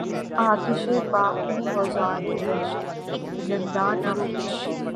آتشیں پا ہوں گداز وحشت زنداں نہ پوچھ